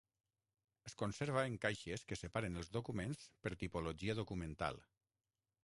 Es conserva en caixes que separen els documents per tipologia documental.